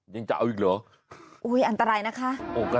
ยังจะเอาอีกเหรออันตรายนะคะ